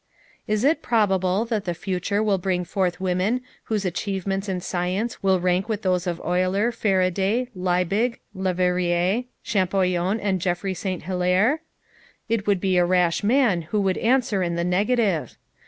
Is it probable that the future will bring forth women whose achievements in science will rank with those of Euler, Faraday, Liebig, Leverrier, Champollion and Geoffry Saint Hillaire? It would be a rash man who would answer in the negative.